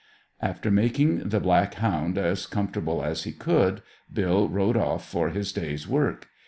After making the black hound as comfortable as he could, Bill rode off for his day's work.